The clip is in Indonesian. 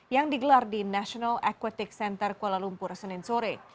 yang digelar di national aquatic center kuala lumpur senin sore